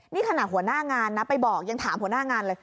นี่ขณะหัวหน้างานนะไปบอกยังถามหัวหน้างานเลย